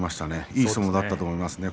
いい相撲だったと思いますね。